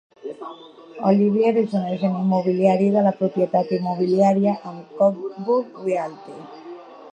Olivier és un agent immobiliari de la propietat immobiliària amb Cogburn Realty.